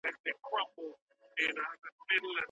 په لاس لیکل د یاداښتونو غوره طریقه ده.